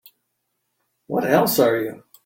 What else are you?